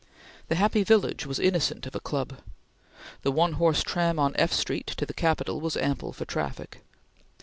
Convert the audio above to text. The happy village was innocent of a club. The one horse tram on F Street to the Capitol was ample for traffic.